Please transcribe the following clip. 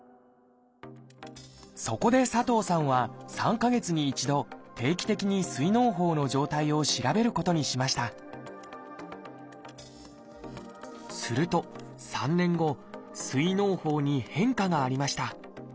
そこで佐藤さんは３か月に一度定期的に膵のう胞の状態を調べることにしましたすると３年後膵のう胞に変化がありました。